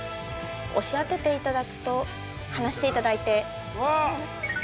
・押し当てていただくと離していただいて・うわ！